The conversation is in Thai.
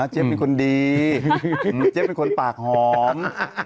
เจฟเป็นคนดีเจฟเป็นคนปากหอม